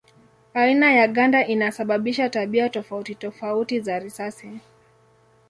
Aina ya ganda inasababisha tabia tofauti tofauti za risasi.